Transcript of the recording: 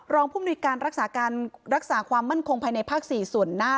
ผู้มนุยการรักษาการรักษาความมั่นคงภายในภาค๔ส่วนหน้า